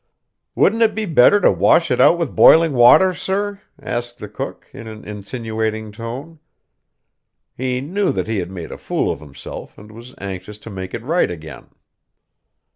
"Wouldn't it be better to wash it out with boiling water, sir?" asked the cook, in an insinuating tone. He knew that he had made a fool of himself, and was anxious to make it right again.